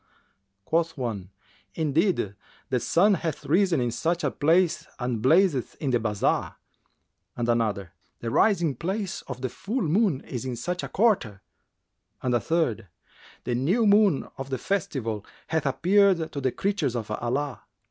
Quoth one, "Indeed the sun hath risen in such a place and blazeth in the bazar," and another, "The rising place of the full moon is in such a quarter;" and a third, "The new moon of the Festival[FN#378] hath appeared to the creatures of Allah."